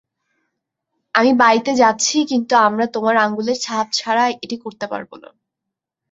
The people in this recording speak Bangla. আমি বাড়িতে যাচ্ছি কিন্তু আমরা তোমার আঙ্গুলের ছাপ ছাড়া এটি করতে পারব না।